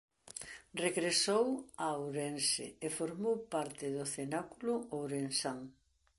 Regresou a Ourense e formou parte do cenáculo ourensán.